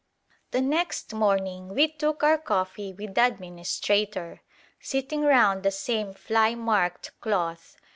The next morning we took our coffee with the administrator, sitting round the same fly marked cloth.